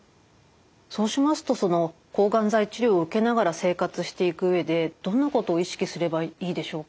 そうしますとその抗がん剤治療を受けながら生活していく上でどんなことを意識すればいいでしょうか？